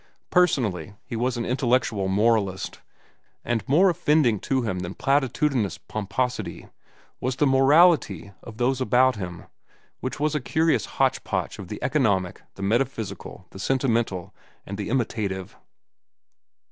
Personally, he was an intellectual moralist, and more offending to him than platitudinous pomposity was the morality of those about him, which was a curious hotchpotch of the economic, the metaphysical, the sentimental, and the imitative.